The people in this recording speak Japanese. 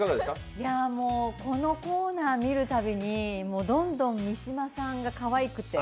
このコーナー見るたびにどんどん三島さんがかわいくて。